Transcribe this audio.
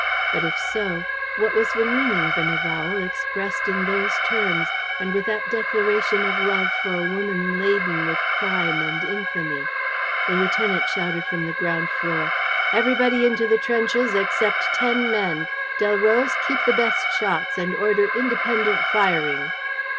But, if so, what was the meaning of an avowal expressed in those terms and with that declaration of love for a woman laden with crime and infamy? The lieutenant shouted from the ground floor: "Everybody into the trenches, except ten men. Delroze, keep the best shots and order independent firing."